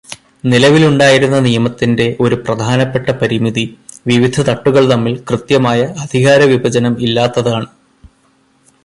നിലവിലുണ്ടായിരുന്ന നിയമത്തിന്റെ ഒരു പ്രധാനപ്പെട്ട പരിമിതി വിവിധ തട്ടുകൾ തമ്മിൽ കൃത്യമായ അധികാരവിഭജനം ഇല്ലാത്തതാണ്.